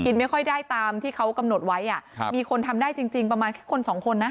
ไม่ค่อยได้ตามที่เขากำหนดไว้อ่ะครับมีคนทำได้จริงจริงประมาณแค่คนสองคนนะ